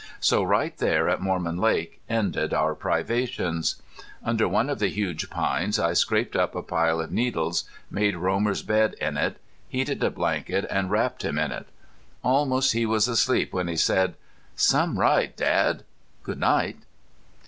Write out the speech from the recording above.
So right there at Mormon Lake ended our privations. Under one of the huge pines I scraped up a pile of needles, made Romer's bed in it, heated a blanket and wrapped him in it. Almost he was asleep when he said: "Some ride, Dad Good night."